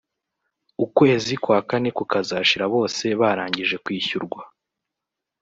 ukwezi kwa kane kukazashira bose barangije kwishyurwa